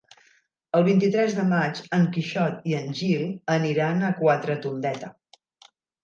El vint-i-tres de maig en Quixot i en Gil aniran a Quatretondeta.